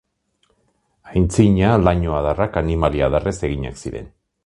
Aintzina laino-adarrak animalia-adarrez eginak ziren.